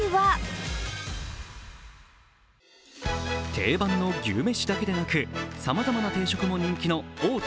定番の牛めしだけでなくさまざまな定食も人気の大手